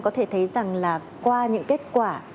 có thể thấy rằng là qua những kết quả